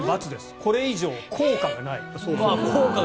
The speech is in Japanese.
これ以上効果がない。